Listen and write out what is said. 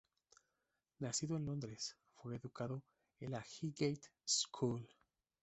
Nacido en Londres, fue educado en la Highgate School.